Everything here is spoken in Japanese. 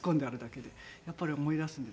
やっぱり思い出すんですよね。